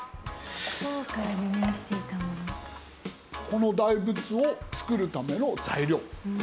この大仏を造るための材料。